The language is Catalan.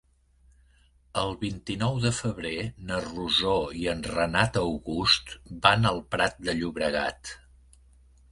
El vint-i-nou de febrer na Rosó i en Renat August van al Prat de Llobregat.